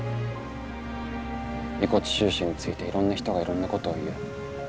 「遺骨収集についていろんな人がいろんなことを言う。